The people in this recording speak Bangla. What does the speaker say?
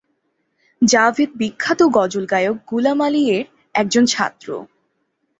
জাভেদ বিখ্যাত গজল গায়ক গুলাম আলী এর একজন ছাত্র।